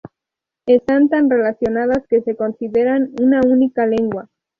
Están tan relacionadas que se consideran una única lengua.